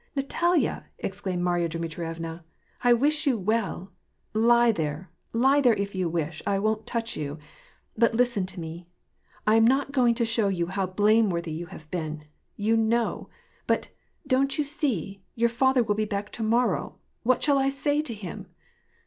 "Natalya!" exclaimed Marya Dmitrievna, "I wish you well. Lie there — lie there if you wish ; I won't touch you; but listen to me I — I am not going to show you how blame worthy you have been. You know. But, don't you see, your father will be back to morrow : what shall I say to him